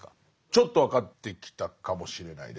ちょっと分かってきたかもしれないです。